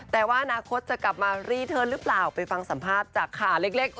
แต่ว่าอนาคตจะกลับมารีเทิร์นหรือเปล่าไปฟังสัมภาษณ์จากข่าวเล็ก